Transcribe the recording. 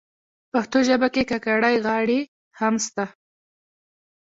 پښتو ژبه کي کاکړۍ غاړي هم سته.